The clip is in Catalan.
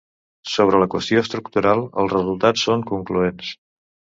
Sobre la qüestió estructural, els resultats són concloents.